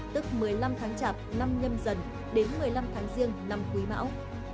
tức một mươi năm tháng chạp năm nhâm dần đến một mươi năm tháng riêng năm quý mão